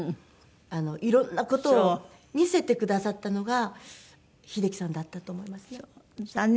いろんな事を見せてくださったのが秀樹さんだったと思いますね。